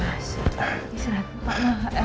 ya allah ya allah